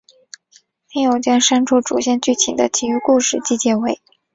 另有将删除主线剧情的其余故事集结为。